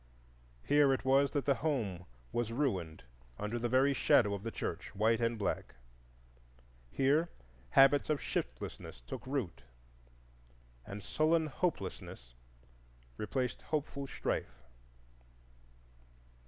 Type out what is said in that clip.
Here it was that the Home was ruined under the very shadow of the Church, white and black; here habits of shiftlessness took root, and sullen hopelessness replaced hopeful strife.